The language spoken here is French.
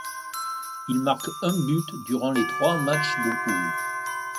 Il marque un but durant les trois matchs de poule.